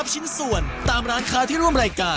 พี่เอกน์อารงยินดีด้วยค่ะ